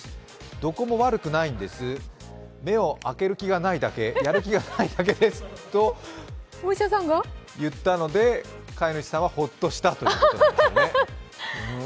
どこも悪くないんです、目を開ける気がないだけ、やる気がないだけですと言ったので飼い主さんはほっとしたということですね。